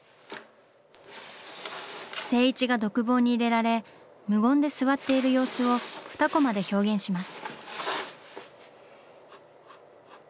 静一が独房に入れられ無言で座っている様子を２コマで表現します。